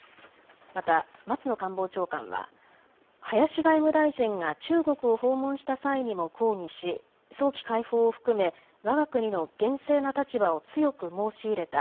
また松野官房長官は林外務大臣が中国を訪問した際にも抗議し早期解放を含めわが国の厳正な立場を強く申し入れた。